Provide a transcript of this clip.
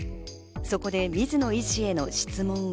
そこで水野医師への質問は。